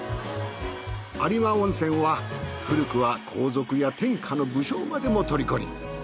有馬温泉は古くは皇族や天下の武将までもとりこに。